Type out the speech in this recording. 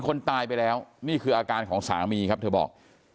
คนตายไปแล้วนี่คืออาการของสามีครับเธอบอก